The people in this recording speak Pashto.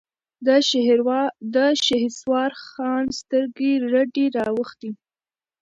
د شهسوار خان سترګې رډې راوختې.